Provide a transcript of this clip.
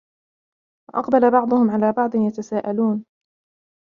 وَأَقْبَلَ بَعْضُهُمْ عَلَى بَعْضٍ يَتَسَاءَلُونَ